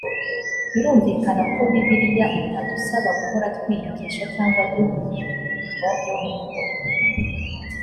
birumvikana ko bibiliya itadusaba guhora twiyigisha cyangwa duhugiye mu mirimo yo mu rugo